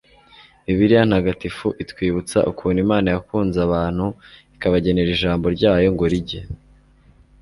bibiliya ntagatifu itwibutsa ukuntu imana yakunze abantu ikabagenera ijambo ryayo ngo rijye